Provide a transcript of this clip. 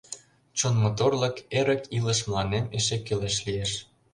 Чон моторлык — эрык илыш Мыланем эше кӱлеш лиеш.